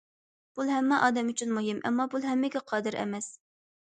پۇل ھەممە ئادەم ئۈچۈن مۇھىم، ئەمما پۇل ھەممىگە قادىر ئەمەس.